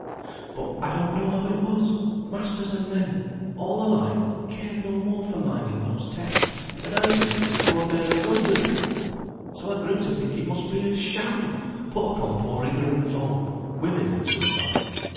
But I don't know how it was; masters and men, all alike cared no more for minding those texts, than I did for th' Lord Mayor of London; so I grew to think it must be a sham put upon poor ignorant folk, women, and such like.